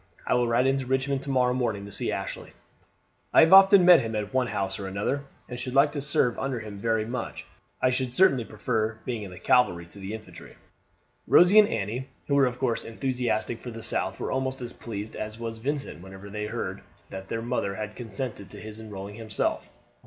I will ride into Richmond to morrow morning and see Ashley. I have often met him at one house or another, and should like to serve under him very much. I should certainly prefer being in the cavalry to the infantry." Rosie and Annie, who were of course enthusiastic for the South, were almost as pleased as was Vincent when they heard that their mother had consented to his enrolling himself.